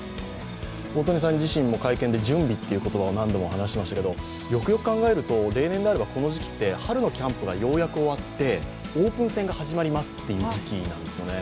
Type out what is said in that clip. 大谷さん自身も会見で「準備」という言葉を何度も使いましたがよくよく考えると、例年であればこの時期って春のキャンプがようやく終わってオープン戦が始まりますという時期なんですよね。